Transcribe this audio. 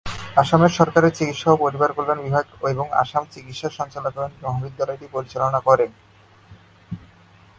আসামের সরকারের স্বাস্থ্য ও পরিবার কল্যাণ বিভাগ এবং আসাম চিকিৎসা সঞ্চালকালয় মহাবিদ্যালয়টি পরিচালনা করে।